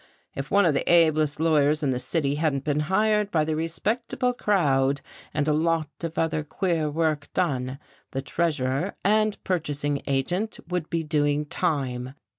If one of the ablest lawyers in the city hadn't been hired by the respectable crowd and a lot of other queer work done, the treasurer and purchasing agent would be doing time.